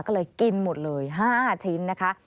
ก็เลยกินหมดเลย๕ชิ้นนะคะ